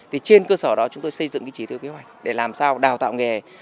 trên cơ sở đó chúng tôi xây dựng chỉ tư kế hoạch để làm sao đào tạo nghề